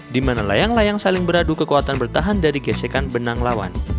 di mana layang layang saling beradu kekuatan bertahan dari gesekan benang lawan